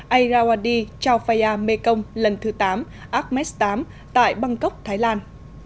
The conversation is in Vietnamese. airawardi chao pha ya mekong lần thứ tám agmes viii tại bangkok thái lan